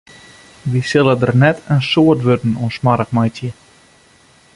Wy sille der net in soad wurden oan smoarch meitsje.